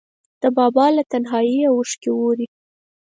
د بابا له تنهاییه اوښکې ووري